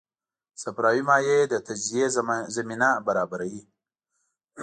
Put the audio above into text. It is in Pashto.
صفراوي مایع د تجزیې زمینه برابروي.